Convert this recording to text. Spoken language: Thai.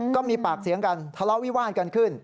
ก็มีปากเสียงกันทะเลาะวิวาดกันขึ้น